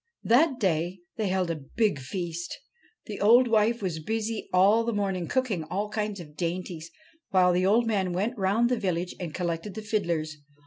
That day they held a big feast. The old wife was busy all the morning cooking all kinds of dainties, while the old man went round the village and collected the fiddlers.